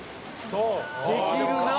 「できるなあ！」